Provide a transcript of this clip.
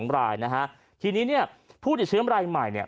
รายนะฮะทีนี้เนี่ยผู้ติดเชื้อรายใหม่เนี่ย